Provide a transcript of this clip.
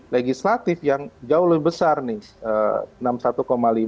legislatif yang jauh lebih besar nih enam puluh satu lima